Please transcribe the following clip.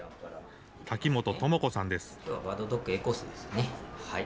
瀧本朋子さんです。